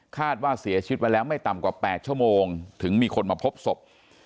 คาดว่าเสียชีวิตมาแล้วไม่ต่ำกว่า๘ชั่วโมงถึงมีคนมาพบศพ